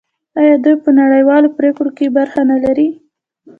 آیا دوی په نړیوالو پریکړو کې برخه نلري؟